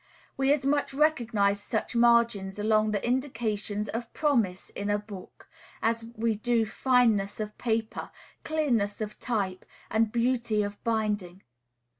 We as much recognize such margins among the indications of promise in a book, as we do fineness of paper, clearness of type, and beauty of binding.